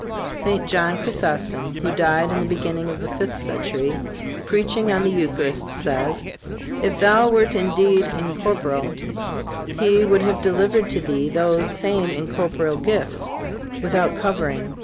St. John Chrysostom, who died in the beginning of the fifth century, preaching on the Eucharist, says: "If thou wert indeed incorporeal, He would have delivered to thee those same incorporeal gifts without covering.